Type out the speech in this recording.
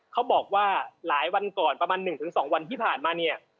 เขาบอกว่าหลายวันก่อนประมาณ๑๒วันที่ผ่านมาเนี่ย